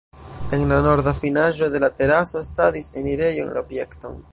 En la norda finaĵo de la teraso estadis enirejo en la objekton.